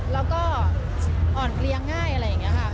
แล้วก็อ่อนเพลียง่ายอะไรอย่างนี้ค่ะ